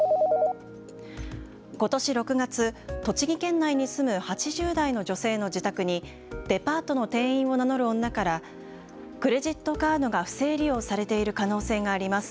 ことし６月、栃木県内に住む８０代の女性の自宅にデパートの店員を名乗る女からクレジットカードが不正利用されている可能性があります。